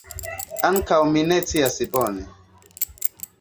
Ankaŭ mi ne scias bone.